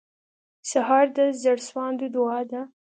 سهار د زړسواندو دعا ده.